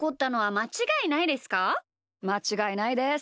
まちがいないです。